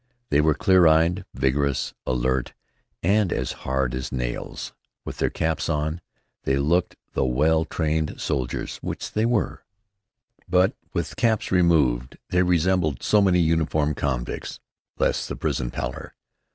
They were clear eyed, vigorous, alert, and as hard as nails. With their caps on, they looked the well trained soldiers which they were; but with caps removed, they resembled so many uniformed convicts less the prison pallor.